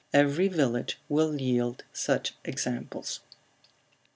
Every village will yield such examples.